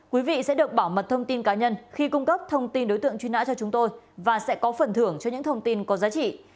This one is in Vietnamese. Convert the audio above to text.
quý vị sẽ được bảo mật thông tin cá nhân khi cung cấp thông tin đối tượng truy nã cho chúng tôi và sẽ có phần thưởng cho những thông tin có giá trị